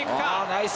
ナイス。